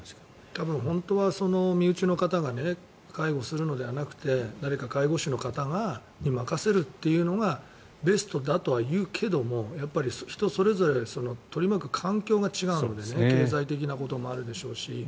多分、本当は身内の方が介護するのではなくて誰か介護士の方に任せるというのがベストだとはいうけども人それぞれ取り巻く環境が違うので経済的なこともあるでしょうし。